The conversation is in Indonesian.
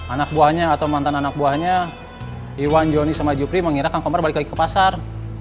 anak buahnya atau mantan anak buahnya iwan joni sama jupri mengira kang komar balik lagi ke pasar